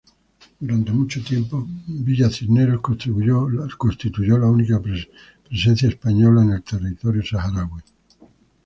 Durante mucho tiempo, Villa Cisneros constituyó la única presencia española en el territorio saharaui.